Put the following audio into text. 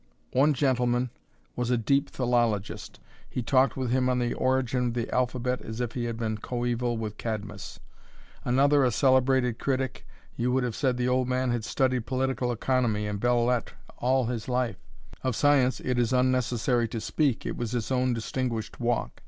One gentleman was a deep philologist he talked with him on the origin of the alphabet as if he had been coeval with Cadmus; another a celebrated critic, you would have said the old man had studied political economy and belles lettres all his life, of science it is unnecessary to speak, it was his own distinguished walk.